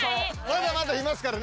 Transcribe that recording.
まだまだいますから。